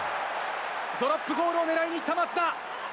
ドロップゴールを狙いにいった松田。